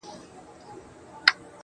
دا رومانتيك احساس دي خوږ دی گراني~